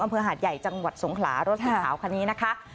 อำเภอหาดใหญ่จังหวัดสงขลารถสีขาวคันนี้นะคะ